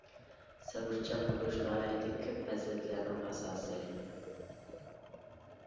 سەۋرچان بولۇش ناھايىتى كۆپ پەزىلەتلەرنىڭ ئاساسى.